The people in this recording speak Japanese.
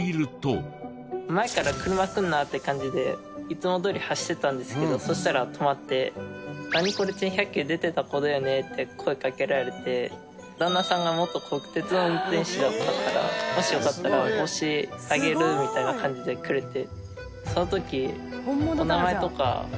前から車が来るなって感じでいつもどおり走ってたんですけどそしたら止まって「『ナニコレ珍百景』に出てた子だよね」って声かけられて旦那さんが元国鉄の運転士だったからもしよかったら帽子あげるみたいな感じでくれて。